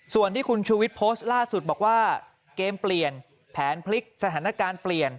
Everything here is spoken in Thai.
ส่วนที่คุณชูวิทย์โพสต์ล่าสุดบอกว่าเกมเปลี่ยนแผนพลิกสถานการณ์เปลี่ยน